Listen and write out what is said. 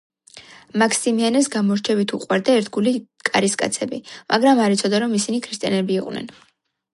მაქსიმიანეს გამორჩევით უყვარდა ერთგული კარისკაცები, მაგრამ არ იცოდა, რომ ისინი ქრისტიანები იყვნენ.